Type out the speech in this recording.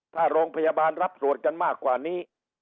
ถ้าโรงพยาบาลรับตรวจกันมากกว่านี้